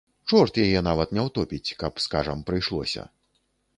Чорт яе нават не ўтопіць, каб, скажам, прыйшлося.